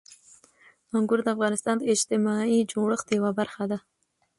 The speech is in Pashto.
انګور د افغانستان د اجتماعي جوړښت یوه برخه ده.